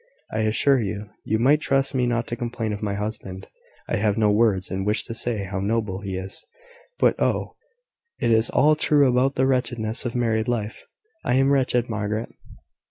I assure you, you might trust me not to complain of my husband. I have no words in which to say how noble he is. But, oh! it is all true about the wretchedness of married life! I am wretched, Margaret."